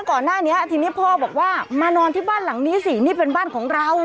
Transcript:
ก่อนหน้านี้ทีนี้พ่อบอกว่ามานอนที่บ้านหลังนี้สินี่เป็นบ้านของเรา